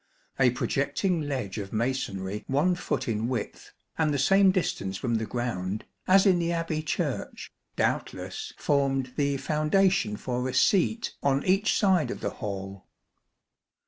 A projecting ledge of masonry one foot in width and the same distance from the ground, as in the Abbey Church, doubtless formed the foundation for a seat on each side of the hall.